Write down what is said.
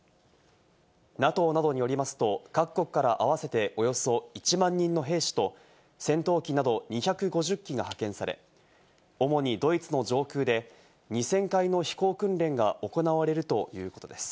ＮＡＴＯなどによりますと、各国から合わせておよそ１万人の兵士と戦闘機など２５０機が派遣され、主にドイツの上空で２０００回の飛行訓練が行われるということです。